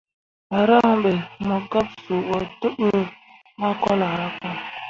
Paran be, mo gab suu bo tebǝ makolahraka.